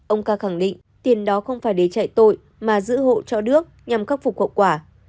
ông ca khẳng định tiền đó không phải để chạy tội mà giữ hộ cho đước nhằm khắc phục hậu quả